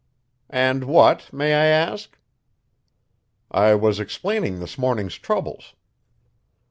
"And what, may I ask?" "I was explaining this morning's troubles."